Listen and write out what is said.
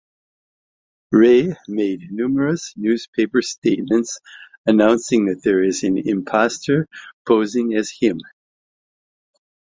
Rey made numerous newspaper statements announcing that there is an imposter posing as him.